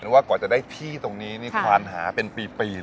ว่ากว่าจะได้ที่ตรงนี้นี่ควานหาเป็นปีเลย